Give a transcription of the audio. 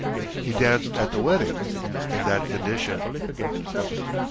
He danced at the wedding in that condition.